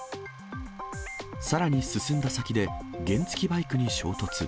さらに、進んだ先で原付きバイクに衝突。